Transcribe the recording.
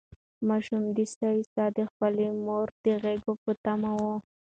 ماشوم په سوې ساه د خپلې مور د غږ په تمه و.